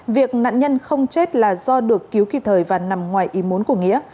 việc nạn nhân không chết là do được cứu kịp thời và nằm ngoài ý muốn của nghĩa